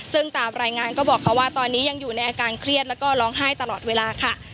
ซึ่งตามรายงานก็บอกเขาว่าตอนนี้ยังอยู่ในอาการเครียดแล้วก็ร้องไห้ตลอดเวลาค่ะ